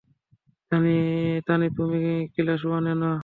তানি, তুমি ক্লাস ওয়ানে না?